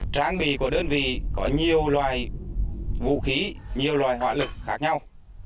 trang bị của đơn vị có nhiều loài vũ khí nhiều loài ngoại lực khác nhau